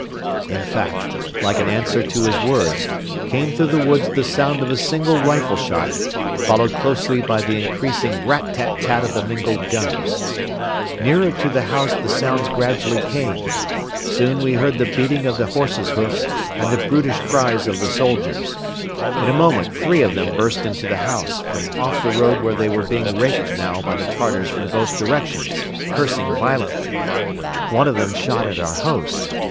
In fact, like an answer to his words, came through the woods the sound of a single rifle shot, followed closely by the increasing rat tat tat of the mingled guns. Nearer to the house the sounds gradually came. Soon we heard the beating of the horses' hoofs and the brutish cries of the soldiers. In a moment three of them burst into the house, from off the road where they were being raked now by the Tartars from both directions, cursing violently. One of them shot at our host.